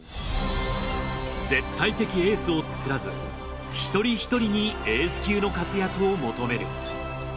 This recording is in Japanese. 絶対的エースを作らず一人ひとりにエース級の活躍を求める。